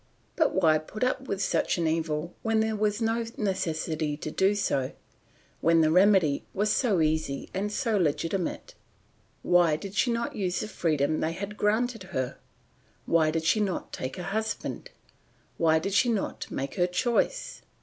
But why put up with such an evil when there was no necessity to do so, when the remedy was so easy and so legitimate? Why did she not use the freedom they had granted her? Why did she not take a husband? Why did she not make her choice?